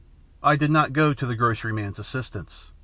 I did not go to the groceryman's assistance.